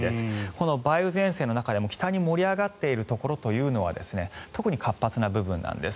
この梅雨前線の中でも北に盛り上がっているところというのは特に活発な部分なんです。